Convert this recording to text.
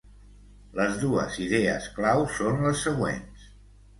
Les dues idees clau són les següents.